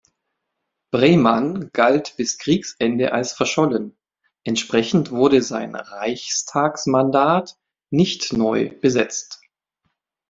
Breymann galt bis Kriegsende als verschollen, entsprechend wurde sein Reichstagsmandat nicht neu besetzt.